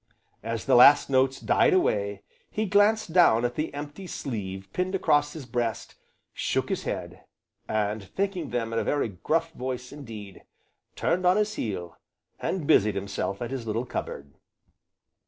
As the last notes died away, he glanced down at the empty sleeve pinned across his breast, shook his head, and thanking them in a very gruff voice indeed, turned on his heel, and busied himself at his little cupboard.